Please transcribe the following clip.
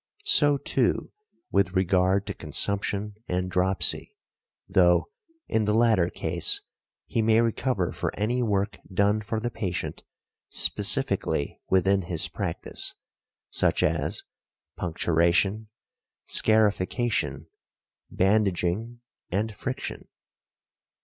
So, too, with regard to consumption and dropsy, though, in the latter case, he may recover for any work done for the patient specifically within his practise, such as puncturation, scarification, bandaging and friction .